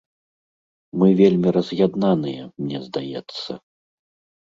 Мы вельмі раз'яднаныя, мне здаецца.